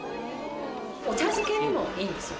お茶漬けにもいいんですよ。